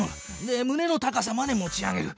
でむねの高さまで持ち上げる。